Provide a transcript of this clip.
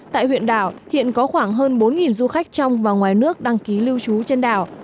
tại huyện đảo hiện có khoảng hơn bốn du khách trong và ngoài nước đăng ký lưu trú trên đảo